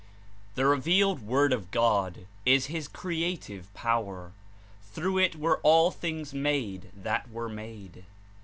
The revealed Word of God is his creative power. Through it were all things made that were made.